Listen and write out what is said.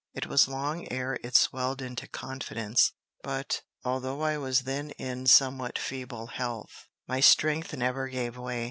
It was long ere it swelled into confidence; but, although I was then in somewhat feeble health, my strength never gave way.